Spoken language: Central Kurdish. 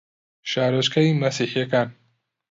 شارۆچکەی مەسیحییەکان